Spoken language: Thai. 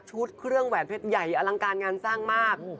เครื่องแหวนเพชรใหญ่อลังการงานสร้างมาก